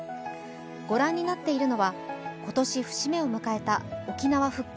ご覧になっているのは今年、節目を迎えた沖縄復帰